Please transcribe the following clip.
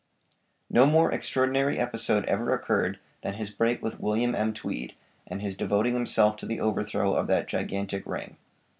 No more extraordinary episode ever occurred than his break with William M. Tweed, and his devoting himself to the overthrow of that gigantic ring.